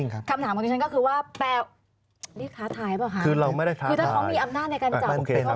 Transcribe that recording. คือถ้าเขามีอำนาจในการจับ